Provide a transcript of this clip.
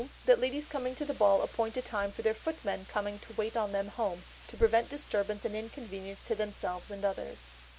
That ladies coming to the ball appoint a time for their footmen coming to wait on them home, to prevent disturbance and inconvenience to themselves and others.